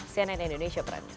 cnn indonesia pranjus